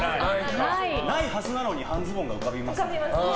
ないはずなのに半ズボンが浮かびますね。